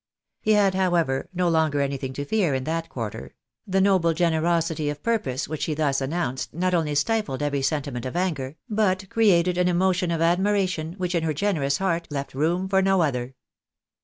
He had, however, no longer anything to fear in that quarter ; the noble generosity of purpose which he thus announced, not only stifled every sentiment of anger, but created an emotion of admiration which in her generous heart left room for no other.